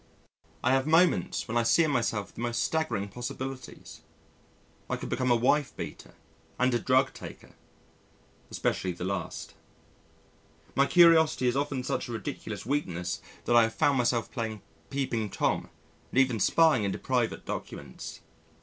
I have moments when I see in myself the most staggering possibilities. I could become a wife beater, and a drug taker (especially the last). My curiosity is often such a ridiculous weakness that I have found myself playing Peeping Tom and even spying into private documents.